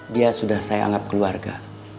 dia sudah saya anggap keluarga